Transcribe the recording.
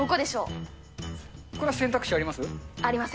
これは選択肢あります？